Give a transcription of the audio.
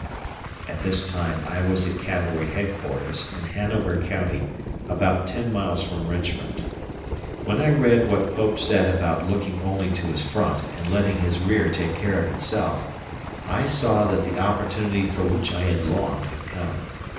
At this time I was at cavalry headquarters, in Hanover County, about ten miles from Richmond. When I read what Pope said about looking only to his front and letting his rear take care of itself, I saw that the opportunity for which I had longed had come.